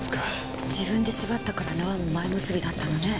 自分で縛ったから縄も前結びだったのね。